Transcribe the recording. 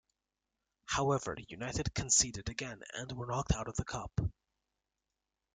However, United conceded again and were knocked out of the cup.